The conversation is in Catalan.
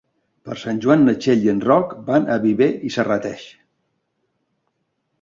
Per Sant Jordi na Txell i en Roc van a Viver i Serrateix.